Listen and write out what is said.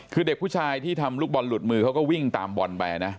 คือเด็กผู้ชายที่ทำลูกบอลหลุดมือเขาก็วิ่งตามบอลไปนะ